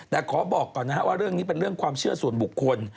แต่ขอบอกก่อนนะครับว่าเรื่องนี้เป็นเรื่องความเชื่อส่วนบุคคล